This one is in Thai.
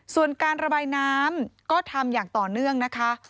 ส่วนการระบายน้ำก็ทำอย่างต่อเนื่องนะคะ